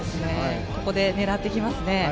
ここで狙ってきますね。